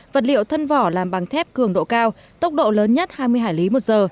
vật liệu thân vỏ làm bằng thép cường độ cao tốc độ lớn nhất hai mươi hải lý một giờ